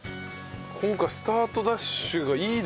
今回スタートダッシュがいいですね。